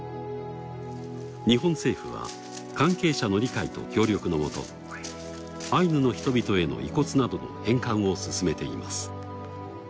日本政府は関係者の理解と協力のもとアイヌの人々への遺骨などの返還を進めています。